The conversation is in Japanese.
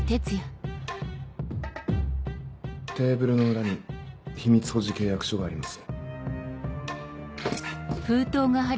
テーブルの裏に秘密保持契約書があります。